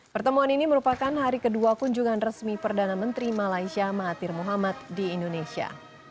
pertemuan ini merupakan hari kedua kunjungan resmi perdana menteri malaysia mahathir muhammad di indonesia